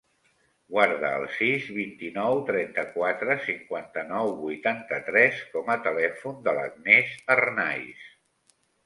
Guarda el sis, vint-i-nou, trenta-quatre, cinquanta-nou, vuitanta-tres com a telèfon de l'Agnès Arnaiz.